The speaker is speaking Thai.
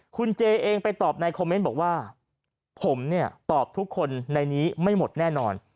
คุณเจเองไปตอบในคอมเมนต์บอกว่าผมเนี่ยตอบทุกคนในนี้ไม่หมดแน่นอน